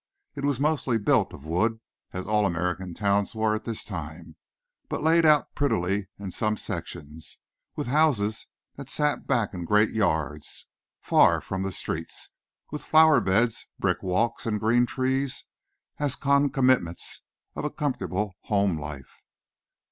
It was mostly built of wood, as all American towns were at this time, but laid out prettily in some sections, with houses that sat back in great yards, far from the streets, with flower beds, brick walks, and green trees as concomitants of a comfortable home life.